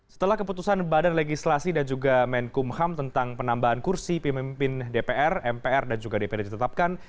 setelah keputusan badan legislasi dan juga menkumham tentang penambahan kursi pemimpin dpr mpr dan juga dpd ditetapkan